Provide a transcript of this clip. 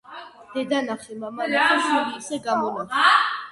დედა ნახე მამა ნახე შვილი ისე გამონახე.